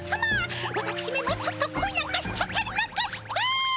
わたくしめもちょっとこいなんかしちゃったりなんかして！